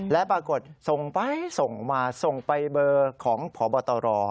และปรากฏส่งไปส่งมาส่งไปเบอร์ของพบตร